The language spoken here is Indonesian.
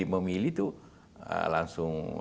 memilih itu langsung